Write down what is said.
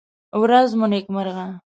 ورڅ مو نېکمرغه!